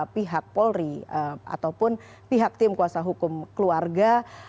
pihak polri ataupun pihak tim kuasa hukum keluarga